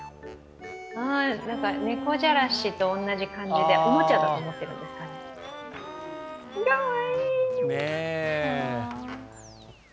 猫じゃらしと同じ感じでおもちゃだと思ってるのかな。